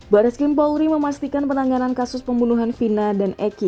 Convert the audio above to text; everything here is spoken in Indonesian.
barreskrim paul ri memastikan penanganan kasus pembunuhan vina dan eki